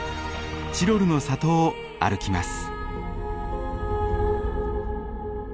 チロルの里を歩きます。